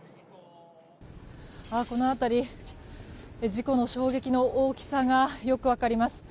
この辺り、事故の衝撃の大きさがよく分かります。